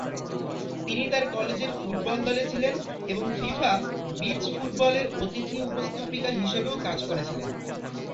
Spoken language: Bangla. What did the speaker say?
তিনি তার কলেজের ফুটবল দলে ছিলেন এবং ফিফা বিচ ফুটবলের অতিথি উপস্থাপিকা হিসেবেও কাজ করেছিলেন।